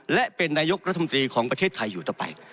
และเป็นนายกรัฐมนตรีของประเทศไทยอยู่ต่อไป